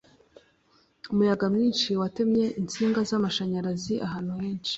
umuyaga mwinshi watemye insinga z'amashanyarazi ahantu henshi